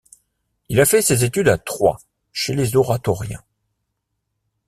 Il fait ses études à Troyes, chez les oratoriens.